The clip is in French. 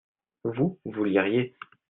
vous, vous liriez.